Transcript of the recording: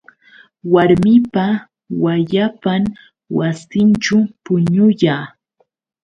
Warmipa wayapan wasinćhu puñuya.